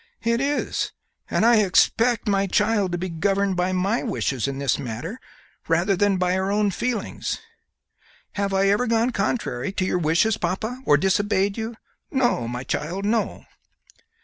"It is; and I expect my child to be governed by my wishes in this matter rather than by her own feelings." "Have I ever gone contrary to your wishes, papa, or disobeyed you?" "No, my child, no!"